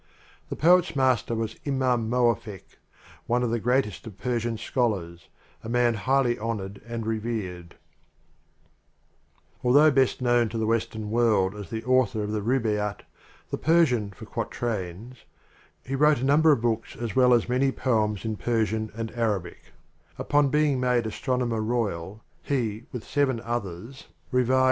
The poet's master was Imam Mowaffak, one of the greatest of Persian scholars — a man highly hon ored and revered* Although best known to the western world as the author of the Rubaiyat, the Persian for quatrains, be wrote a number of books as well as many poems in Persian and Arabic, Upon being made Astronomer Royal, he, with seven others, revised vii 1 l ~r\t \(>l.